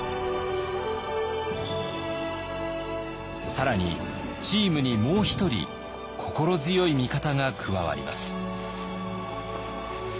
更にチームにもう一人心強い味方が加わります。